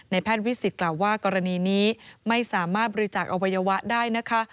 แพทย์วิสิตกล่าวว่ากรณีนี้ไม่สามารถบริจาคอวัยวะได้นะคะ